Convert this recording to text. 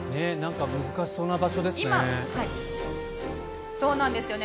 難しそうな場所ですね。